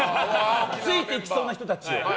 ついていきそうな人たちを。